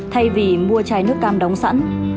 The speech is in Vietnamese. thay vì mua chai nước cam đóng sẵn